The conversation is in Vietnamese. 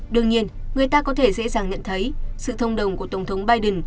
đương nhiên người ta có thể dễ dàng nhận thấy sự thông đồng của tổng thống biden